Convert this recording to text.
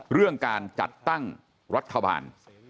เรื่องการจัดตั้งรัฐบาล